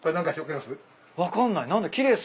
分かんない。